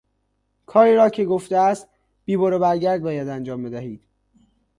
کاری را که گفته است بی برو برگرد باید انجام بدهید.